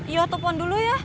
ya aku telfon dulu ya